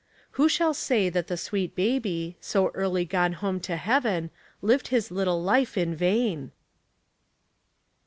Who shall say that the sweet baby, so early gone home to heaven, lived his little life in vain?